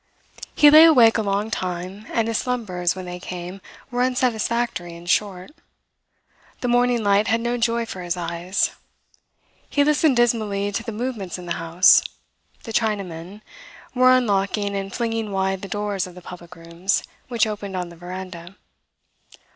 He lay awake a long time; and his slumbers, when they came, were unsatisfactory and short. The morning light had no joy for his eyes. He listened dismally to the movements in the house. The Chinamen were unlocking and flinging wide the doors of the public rooms which opened on the veranda.